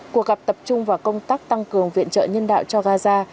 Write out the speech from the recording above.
cuộc gặp tập trung vào công tác tăng cường viện trợ nhân đạo cho gaza